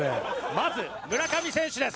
まず村上選手です。